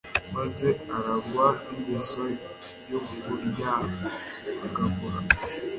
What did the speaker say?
maze arangwa ningeso yo kuryagagura